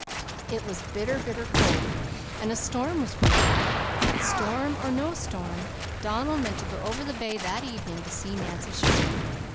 It was bitter, bitter cold, and a storm was brewing. But, storm, or no storm, Donald meant to go over the bay that evening to see Nancy Sherman.